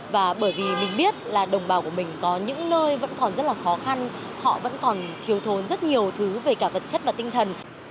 và bởi vì mình biết là đồng bào của mình có những nơi vẫn còn rất là khó khăn họ vẫn còn thiếu thốn rất nhiều thứ về cả vật chất và tinh thần